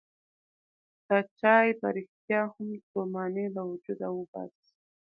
دا چای په رښتیا هم ستوماني له وجوده وباسي.